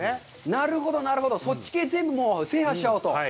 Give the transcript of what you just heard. なるほど、なるほど、そっち系、もう全部、制覇しちゃおうと？